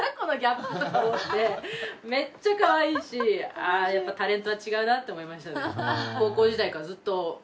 めっちゃかわいいしああやっぱタレントは違うなって思いましたね。